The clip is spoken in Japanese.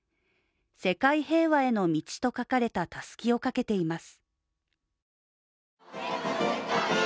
世界平和への道と書かれたたすきをかけています。